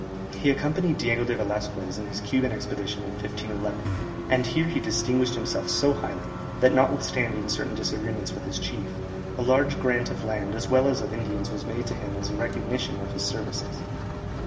He accompanied Diego de Velasquez in his Cuban expedition in 1511, and here he distinguished himself so highly, that notwithstanding certain disagreements with his chief, a large grant of land as well as of Indians was made to him as a recognition of his services.